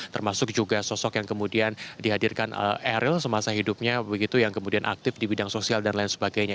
termasuk juga sosok yang kemudian dihadirkan eril semasa hidupnya begitu yang kemudian aktif di bidang sosial dan lain sebagainya